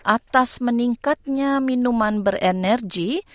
atas meningkatnya minuman berenergi